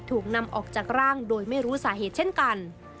ถูกนำออกจากร่างโดยไม่รู้สาเหตุเช่นกัน